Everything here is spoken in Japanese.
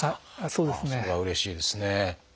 それはうれしいですね。